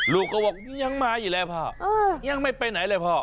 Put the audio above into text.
ลูกก็บอกยังมาอยู่แล้วพ่อยังไม่ไปไหนเลยพ่อ